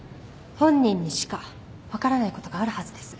本人にしか分からないことがあるはずです。